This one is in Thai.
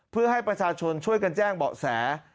เพื่อให้ประชาชนช่วยกันแจ้งเบาะแส